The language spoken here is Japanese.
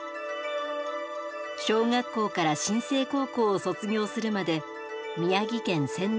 小学校から新制高校を卒業するまで宮城県仙台市で過ごします。